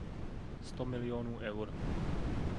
Sto miliónů eur.